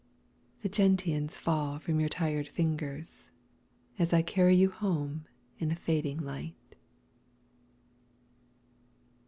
The gentians fall from your tired fingers As I carry you home in the fading light.